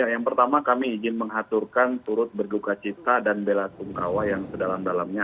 yang pertama kami izin mengaturkan turut berduka cipta dan bela tungkawa yang sedalam dalamnya